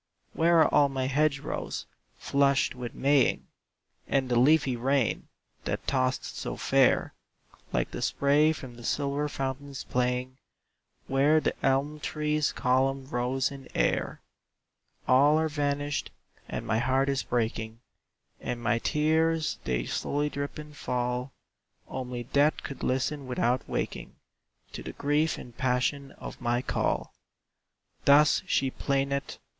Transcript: "Where are all my hedge rows, flushed with Maying? And the leafy rain, that tossed so fair, Like the spray from silver fountains playing, Where the elm tree's column rose in air? "All are vanished, and my heart is breaking; And my tears they slowly drip and fall; Only death could listen without waking To the grief and passion of my call!" Thus she plaineth.